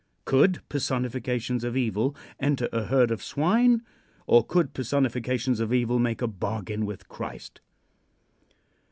Could personifications of evil enter a herd of swine, or could personifications of evil make a bargain with Christ?